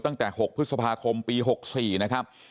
ตั้งแต่๖พฤษภาคมปี๖๔นะครับ